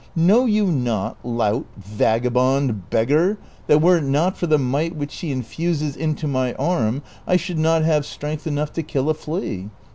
Know you not, lout, vagabond, beggar, that were it not for the might which she infuses into my arm I should not have strength enough to kill a flea